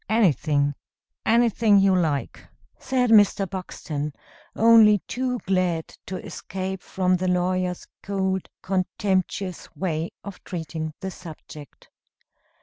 "Anything anything you like," said Mr. Buxton, only too glad to escape from the lawyer's cold, contemptuous way of treating the subject.